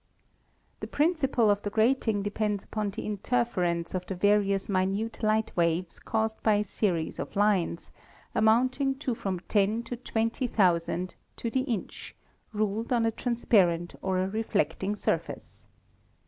The principle of the grating depends upon the interfer ence of the various minute light waves caused by a series of lines, amounting to from ten to twenty thousand to the inch, ruled on a transparent or a reflecting surface.